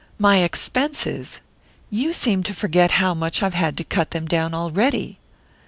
"My expenses? You seem to forget how much I've had to cut them down already."